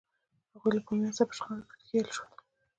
هغوی له بومیانو سره په شخړه کې ښکېل شول.